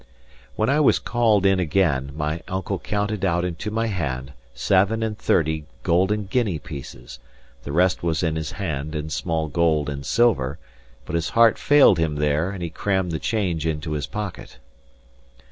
When I was called in again, my uncle counted out into my hand seven and thirty golden guinea pieces; the rest was in his hand, in small gold and silver; but his heart failed him there, and he crammed the change into his pocket.